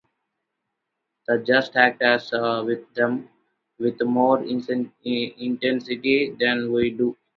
He just acts on them with more intensity than we do.